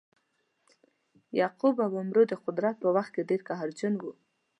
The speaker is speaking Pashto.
یعقوب او عمرو د قدرت په وخت کې ډیر قهرجن وه.